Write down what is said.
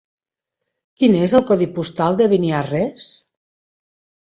Quin és el codi postal de Beniarrés?